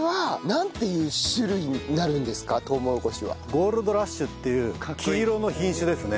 ゴールドラッシュっていう黄色の品種ですね。